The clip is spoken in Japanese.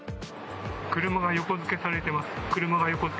車が横付けされています。